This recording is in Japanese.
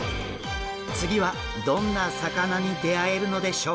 次はどんな魚に出会えるのでしょうか？